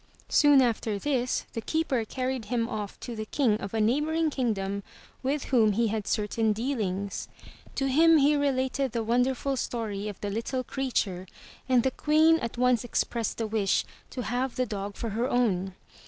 Soon after this, the keeper carried him off to the King of a neighboring kingdom with whom he had certain dealings. To him he related the wonderful story of the little creature and the Queen at once expressed the wish to have the dog for her own.